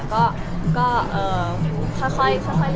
ก็ค่อยเรียนลงไปค่ะ